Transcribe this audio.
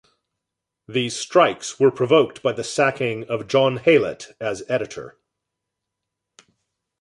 These strikes were provoked by the sacking of John Haylett as editor.